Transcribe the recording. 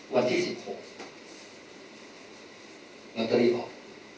วันที่๑๖ลอตเตอรี่ออก